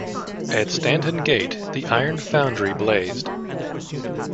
At Stanton Gate the iron foundry blazed.